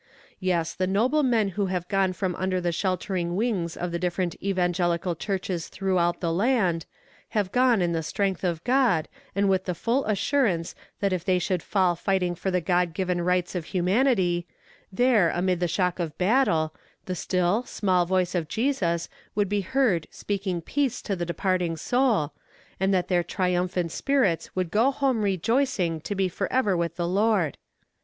Yes, the noble men who have gone from under the sheltering wings of the different evangelical churches throughout the land, have gone in the strength of God, and with the full assurance that if they should fall fighting for the God given rights of humanity, there, amid the shock of battle, the still, small voice of Jesus would be heard speaking peace to the departing soul, and that their triumphant spirits would go home rejoicing to be forever with the Lord!